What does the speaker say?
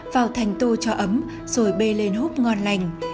vào thành tô cho ấm rồi bê lên hút ngon lành